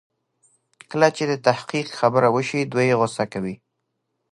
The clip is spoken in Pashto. کله چې د تحقيق خبره وشي دوی غوسه کوي.